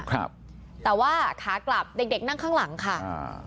ครับแต่ว่าขากลับเด็กเด็กนั่งข้างหลังค่ะอ่า